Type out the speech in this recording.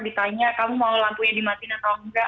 ditanya kamu mau lampunya dimatiin atau enggak